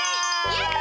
やった！